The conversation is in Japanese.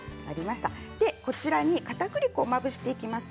こちらにかたくり粉をまぶしていきます。